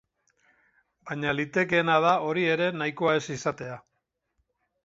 Baina litekeena da hori ere nahikoa ez izatea.